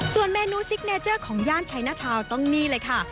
ส่วนเมนูซิกเนเจอร์ของย่านชัยหน้าทาวต้องนี่เลยค่ะ